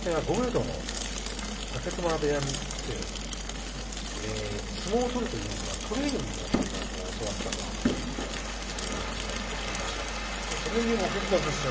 道の武隈部屋に行って相撲を取るというよりはトレーニングを教わったという話をしていました。